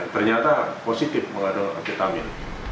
ternyata positif mengandung argetamin